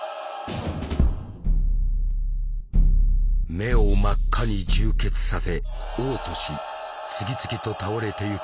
目を真っ赤に充血させ嘔吐し次々と倒れてゆく兵士たち。